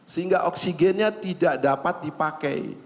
sehingga oksigennya tidak dapat dipakai